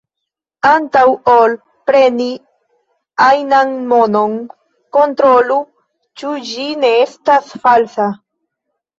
Antaŭ ol preni ajnan monon, kontrolu, ĉu ĝi ne estas falsa.